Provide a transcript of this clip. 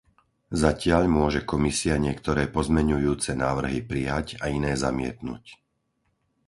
Zatiaľ môže Komisia niektoré pozmeňujúce návrhy prijať a iné zamietnuť.